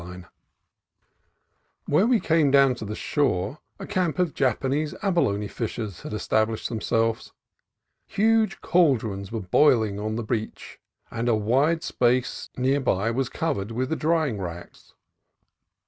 1 62 CALIFORNIA COAST TRAILS Where we came down to the shore a camp of Japanese abalone fishers had established themselves. Huge cauldrons were boiling on the beach, and a wide space near by was covered with the drying racks.